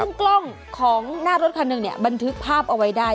ซึ่งกล้องของหน้ารถคันหนึ่งเนี่ยบันทึกภาพเอาไว้ได้